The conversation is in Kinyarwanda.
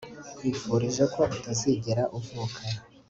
Nkwifurije ko utazigera uvuka